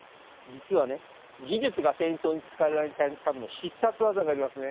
実はね技術が戦争に使われないための必殺技がありますね。